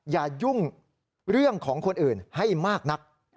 อย่ายุ่งเรื่องของคนอื่นให้มากนัก